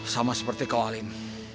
sama seperti kau alin